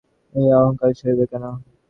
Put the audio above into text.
এত অহংকার সইবে কেন।